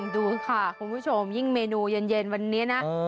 ดูค่ะคุณผู้ชมยิ่งเมนูเย็นวันนี้นะ